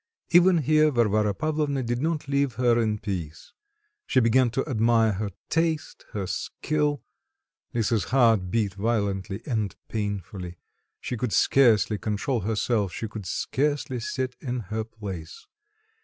Even here Varvara Pavlovna did not leave her in peace. She began to admire her taste, her skill.... Lisa's heart beat violently and painfully. She could scarcely control herself, she could scarcely sit in her place.